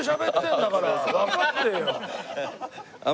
わかってよ。